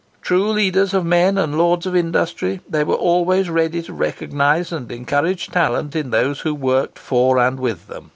True leaders of men and lords of industry, they were always ready to recognise and encourage talent in those who worked for and with them.